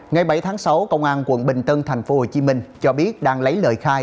ngày bảy tháng sáu công an quận bình tân thành phố hồ chí minh cho biết đang lấy lời khai